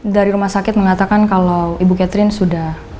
dari rumah sakit mengatakan kalau ibu catherine sudah